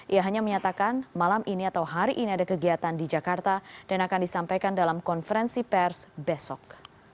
ia hanya menyatakan malam ini atau hari ini ada kegiatan di jakarta dan akan disampaikan dalam konferensi pers besok